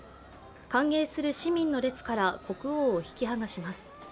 歓迎する市民の列から国王を引き剥がします。